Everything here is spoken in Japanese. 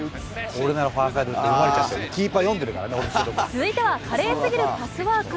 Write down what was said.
続いては華麗すぎるパスワーク。